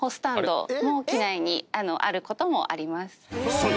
［そう。